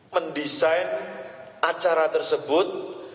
mendesain acara tersebut